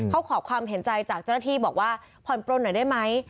เขาขอความเห็นใจจากเจ้าหน้าที่บอกว่าผ่อนปลนหน่อยได้ไหม